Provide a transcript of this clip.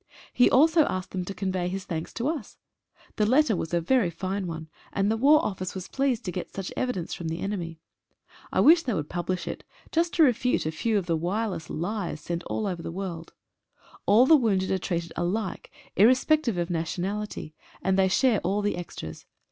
He also asked them to convey his thanks to us. The letter was a very fine one, and the War Office was pleased to get such evidence from the enemy. I wish they would publish it, just to refute a few of the wireless lies sent all over 20 CHRISTMAS, 1914. the world. All the wounded are treated alike, irrespec tive of nationality, and they share all the extras.